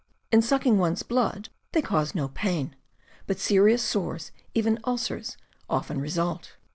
In sucking one's blood they cause no pain; but serious sores, even ulcers, often result.